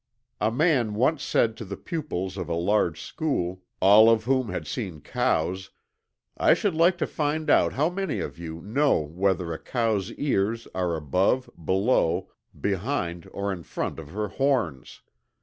A man once said to the pupils of a large school, all of whom had seen cows: 'I should like to find out how many of you know whether a cow's ears are above, below, behind, or in front of her horns.